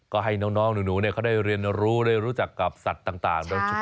ก็ให้น้องหนูเขาได้เรียนรู้ได้รู้จักกับสัตว์ต่างโดยเฉพาะ